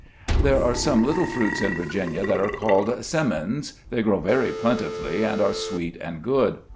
There are some little fruits in Virginia, that are called "simmons"; they grow very plentifully, and are sweet and good.